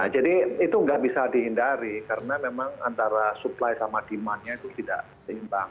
itu nggak bisa dihindari karena memang antara supply sama demandnya itu tidak seimbang